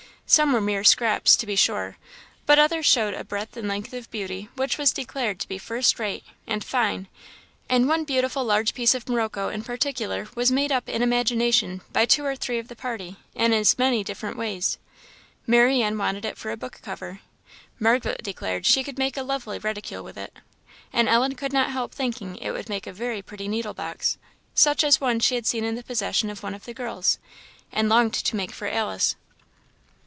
Some were mere scraps, to be sure; but others showed a breadth and length of beauty which was declared to be "first rate," and "fine;" and one beautiful large piece of blue morocco in particular was made up in imagination by two or three of the party in as many different ways. Marianne wanted it for a book cover; Margaret declared she could make a lovely reticule with it; and Ellen could not help thinking it would make a very pretty needlebox, such a one as she had seen in the possession of one of the girls, and longed to make for Alice.